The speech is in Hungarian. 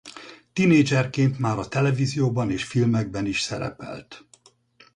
Tinédzserként már a televízióban és filmekben is szerepelt.